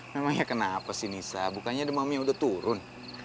memang ya kenapa sih nisa bukannya demamnya udah turun